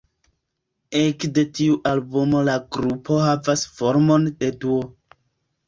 Ekde tiu albumo la grupo havas formon de duo.